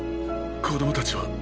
子供たちは？